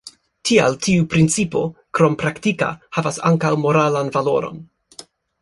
Tial tiu principo, krom praktika, havas ankaŭ moralan valoron.